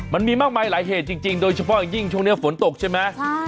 มันมีมากมายหลายเหตุจริงโดยเฉพาะอย่างยิ่งช่วงนี้ฝนตกใช่ไหม